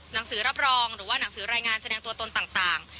หนังสือรับรองหรือว่าหนังสือรายงานแสดงตัวตนต่าง